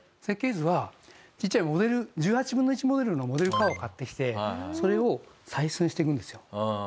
設計図はちっちゃいモデル１８分の１モデルのモデルカーを買ってきてそれを採寸していくんですよ。